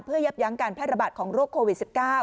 เพื่อยับยั้งการแพร่ระบาดของโรคโควิด๑๙